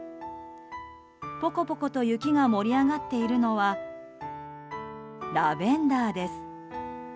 ポコポコと雪が盛り上がっているのはラベンダーです。